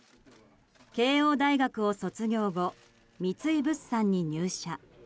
慶應大学を卒業後三井物産に入社。